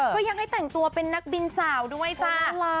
ก็ยังให้แต่งตัวเป็นนักบินสาวด้วยจ้า